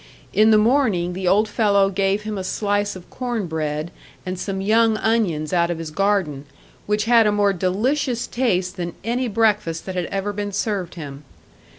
In the morning the old fellow gave him a slice of corn bread and some young onions out of his garden, which had a more delicious taste than any breakfast that had ever been served him.